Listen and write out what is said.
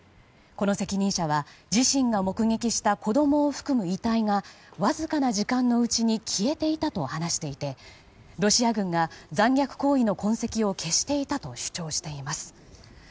この責任者は自身が目撃した子供を含む遺体がわずかな時間のうちに消えていたと話していてロシア軍が残虐行為の痕跡を消していたと主張しています。